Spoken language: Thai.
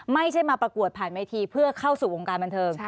ไม่ใช่มาประกวดผ่านเวทีเพื่อเข้าสู่วงการบันเทิง